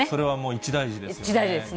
一大事ですね。